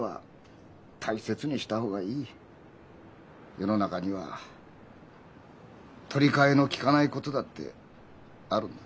世の中には取り替えのきかないことだってあるんだから。